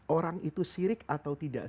orang itu sirik atau tidak